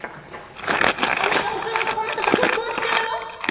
おねぇがほかの男の人と結婚しちゃうよ？